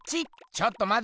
ちょっとまて。